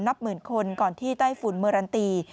นับหมื่นคนก่อนที่ใต้ฝุ่นเมอรันตี